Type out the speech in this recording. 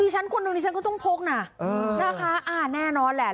ถ้าข้าอ่านแน่นอนแหละ